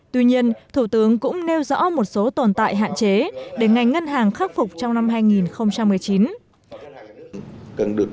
tuy nhiên thủ tướng cũng nêu rõ một số tồn tại hạn chế để ngành ngân hàng khắc phục trong năm hai nghìn một mươi chín